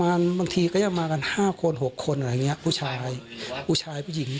มาทำอะไรกัน